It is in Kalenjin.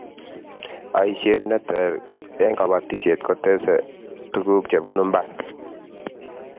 aishet ne ter eng' kabatishiet kotese tuguk chebunu mbar